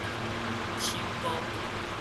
手膏